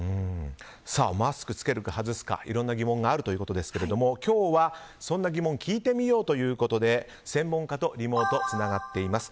マスク着けるか、外すかいろんな疑問があるということですが今日はそんな疑問聞いてみようということで専門家とリモートでつながっています。